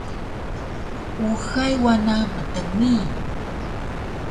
Uxay wana mtngi